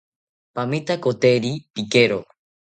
Pamitakoteri pikero